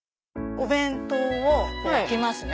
お弁当を置きますね。